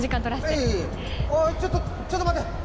いえいえおいちょっとちょっと待って。